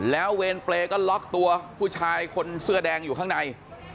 แล้วเวรเปรย์ก็ล็อกตัวผู้ชายคนเสื้อแดงอยู่ข้างใน